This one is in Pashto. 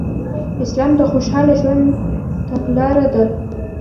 اسلام د خوشحاله ژوند تګلاره ده